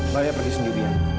nah ya pergi sendiri ya